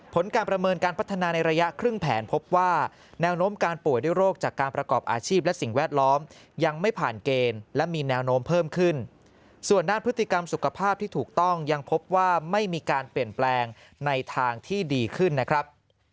ผลการประเมินการพัฒนาในระยะครึ่งแผนพบว่าแนวโน้มการป่วยด้วยโรคจากการประกอบอาชีพและสิ่งแวดล้อมยังไม่ผ่านเกณฑ์และมีแนวโน้มเพิ่มขึ้นส่วนด้านพฤติกรรมสุขภาพที่ถูกต้องยังพบว่าไม่มีการเปลี่ยนแปลงในทางที่ดีขึ้นนะครับ